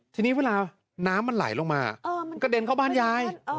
ทีนี้เวลาน้ำมันไหลลงมามันกระเด็นเข้าบ้านยาย